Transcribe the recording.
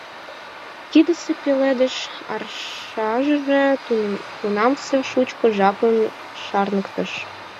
Кидысе пеледыш аршашыже тунамсе шучко жапым шарныктыш.